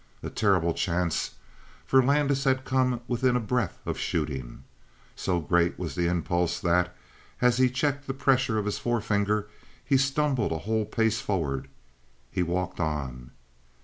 A terrible chance, for Landis had come within a breath of shooting. So great was the impulse that, as he checked the pressure of his forefinger, he stumbled a whole pace forward. He walked on.